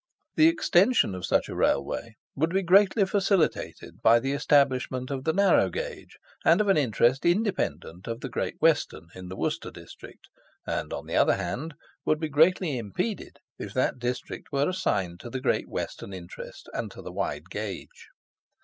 The extension of such a Railway would be greatly facilitated by the establishment of the narrow gauge, and of an interest independent of the Great Western, in the Worcester district, and, on the other hand, would be greatly impeded if that district were assigned to the Great Western interest and to the wide gauge.